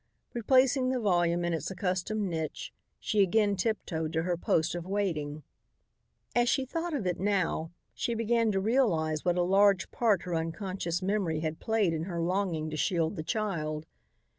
Replacing the volume in its accustomed niche, she again tiptoed to her post of waiting. As she thought of it now, she began to realize what a large part her unconscious memory had played in her longing to shield the child.